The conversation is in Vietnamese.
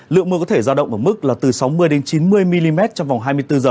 lượng mưa có thể giao động ở mức là từ sáu mươi chín mươi mm trong vòng hai mươi bốn h